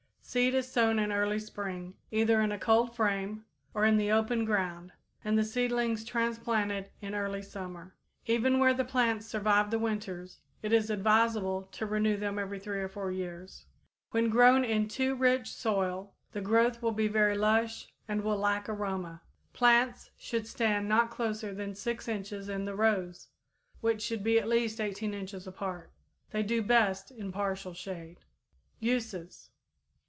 Seed is sown in early spring, either in a cold frame or in the open ground, and the seedlings transplanted in early summer. Even where the plants survive the winters, it is advisable to renew them every three or four years. When grown in too rich soil, the growth will be very lush and will lack aroma. Plants should stand not closer than 6 inches in the rows, which should be at least 18 inches apart. They do best in partial shade. _Uses.